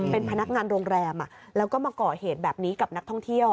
เป็นพนักงานโรงแรมแล้วก็มาก่อเหตุแบบนี้กับนักท่องเที่ยว